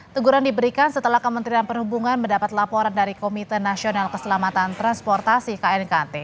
teguran diberikan setelah kementerian perhubungan mendapat laporan dari komite nasional keselamatan transportasi knkt